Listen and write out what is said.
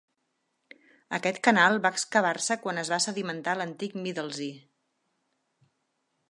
Aquest canal va excavar-se quan es va sedimentar l'antic Middelzee.